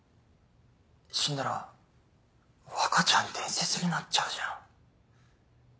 死んだら若ちゃん伝説になっちゃうじゃん。